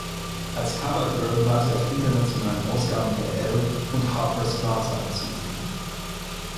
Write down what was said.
Als Covergirl war sie auf internationalen Ausgaben der Elle und Harper’s Bazaar zu sehen.